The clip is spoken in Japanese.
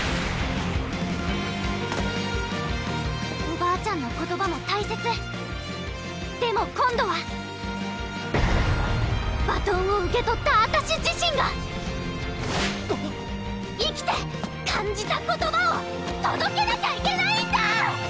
おばあちゃんの言葉も大切でも今度はバトンを受け取ったあたし自身が生きて感じた言葉をとどけなきゃいけないんだ！